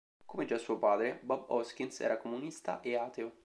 Come già suo padre, Bob Hoskins era comunista e ateo.